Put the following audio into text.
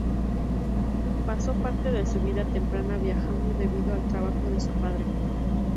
Pasó parte de su vida temprana viajando debido al trabajo de su padre.